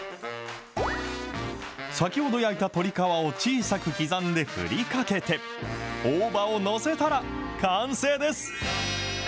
先ほど焼いた鶏皮を小さく刻んで、振りかけて、大葉を載せたら完成です。